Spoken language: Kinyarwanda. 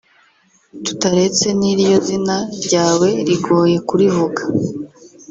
tutaretse n’iryo zina ryawe rigoye kurivuga